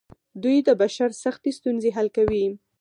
دوی د بشر سختې ستونزې حل کوي.